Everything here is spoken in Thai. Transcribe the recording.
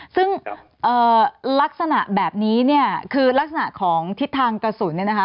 ซึ่งลักษณะแบบนี้เนี่ยคือลักษณะของทิศทางกระสุนเนี่ยนะคะ